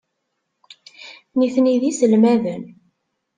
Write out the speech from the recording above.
Nitni d iselmaden.